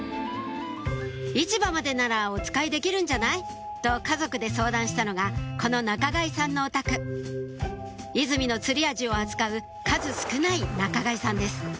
「市場までならおつかいできるんじゃない？」と家族で相談したのがこの仲買さんのお宅出水の釣りアジを扱う数少ない仲買さんです